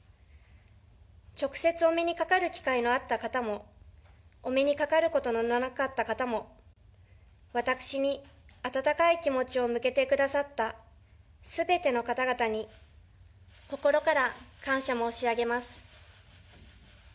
直接お目にかかる機会のあった方もお目にかかることのなかった方も、私に温かい気持ちを向けてくださったすべての方々に、心から感謝申し上げます。